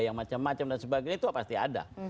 yang macam macam dan sebagainya itu pasti ada